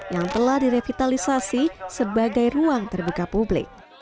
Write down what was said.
yang telah direvitalisasi sebagai ruang terbuka publik